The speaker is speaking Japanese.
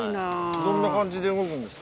どんな感じで動くんですか？